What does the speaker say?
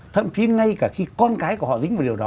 thậm chí ngay cả khi con cái của họ dính vào điều đó